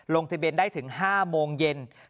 ลงทะเบียนได้ถึง๕โมงเย็น